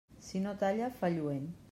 Si no talla, fa lluent.